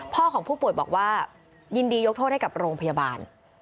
ของผู้ป่วยบอกว่ายินดียกโทษให้กับโรงพยาบาล